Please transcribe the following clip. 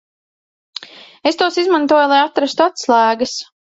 Es tos izmantoju, lai atrastu atslēgas.